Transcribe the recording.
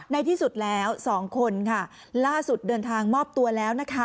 ในที่สุดแล้วสองคนค่ะล่าสุดเดินทางมอบตัวแล้วนะคะ